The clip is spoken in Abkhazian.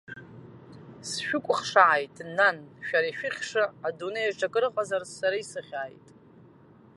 Сшәыкәхшааит, нан, шәара ишәыхьша адунеиаҿ акрыҟазар сара исыхьааит.